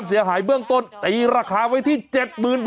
ไม่ไลค์ค่ะทีดต่อค่ะไม่ไลค์อัดเวดโอไว้เจอเฉย